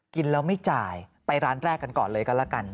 กินแล้วไม่จ่ายไปร้านแรกกันก่อนเลยกันแล้วกัน